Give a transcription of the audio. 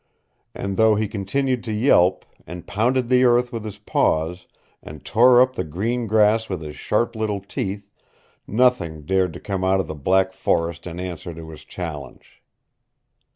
And though he continued to yelp, and pounded the earth with his paws, and tore up the green grass with his sharp little teeth, nothing dared to come out of the black forest in answer to his challenge!